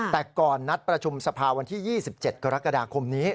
แต่ก่อนนัดประชุมสภาวันที่๒๗กรกฎาคมนี้